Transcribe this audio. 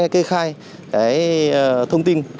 để khai cái thông tin